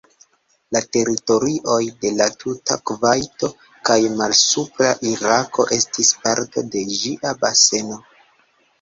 La teritorioj de la tuta Kuvajto kaj malsupra Irako estis parto de ĝia baseno.